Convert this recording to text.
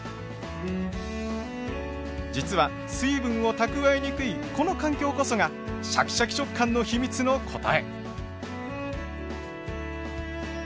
実は水分を蓄えにくいこの環境こそがシャキシャキ食感の秘密の答え。